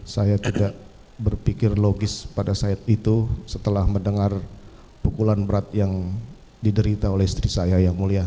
saya tidak berpikir logis pada saat itu setelah mendengar pukulan berat yang diderita oleh istri saya yang mulia